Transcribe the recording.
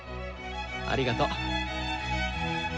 ありがとう。